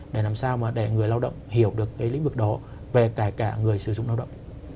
để làm sao mà để người lao động hiểu được cái lĩnh vực đó về kể cả người sử dụng lao động